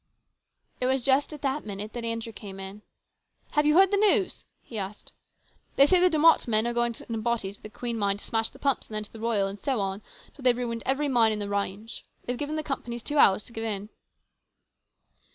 It was just at that moment that Andrew came in. " Have you heard the news ?" he asked. " They say the De Mott men are going in a body to the Queen mine to smash the pumps, and then to the Royal, and so on, until they have ruined every mine on the range. They have given the companies two hours to give in."